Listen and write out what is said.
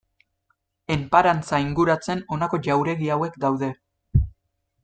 Enparantza inguratzen honako jauregi hauek daude.